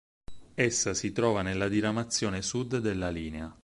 Essa si trova nella diramazione sud della linea.